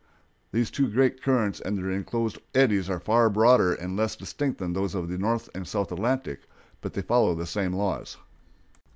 These two great currents and their inclosed eddies are far broader and less distinct than those of the North and South Atlantic, but they follow the same laws.